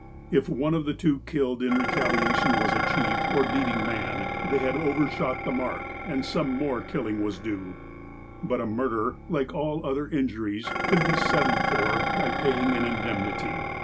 If one of the two killed in retaliation was a chief or leading man, they had overshot the mark, and some more killing was due. But a murder, like all other in juries, could be settled for by paying an indemnity.